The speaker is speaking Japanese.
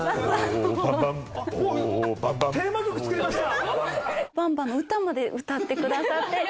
テーマ曲作りました！